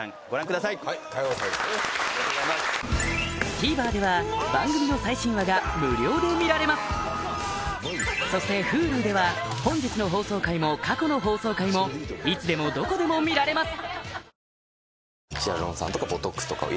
ＴＶｅｒでは番組の最新話が無料で見られますそしてＨｕｌｕでは本日の放送回も過去の放送回もいつでもどこでも見られます